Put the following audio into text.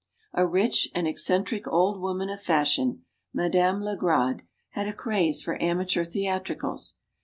A rich and eccentric old woman of fashion Madame Legrade had a craze for amateur theatricals.